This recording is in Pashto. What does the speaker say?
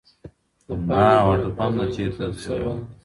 د پاڼې بڼه په خزان کې بدله شوې ده.